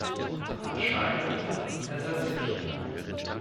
Anscheinend ersetze ich ihn.